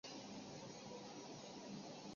发动机位于底盘的右前方。